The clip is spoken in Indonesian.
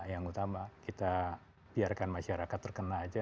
yang utama kita biarkan masyarakat terkena aja